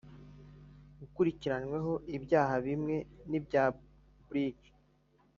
akurikiranyweho ibyaha bimwe n’ibya Brig